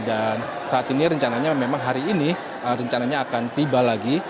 dan saat ini rencananya memang hari ini rencananya akan tiba lagi